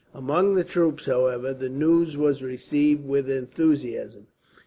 Among the troops, however, the news was received with enthusiasm.